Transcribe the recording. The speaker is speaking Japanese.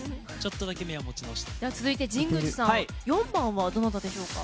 続いて神宮寺さん４番はどなたでしょうか。